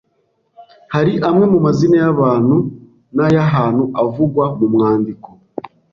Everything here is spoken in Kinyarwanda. Hari amwe mu mazina y’abantu n’ay’ahantu avugwa mu mwandiko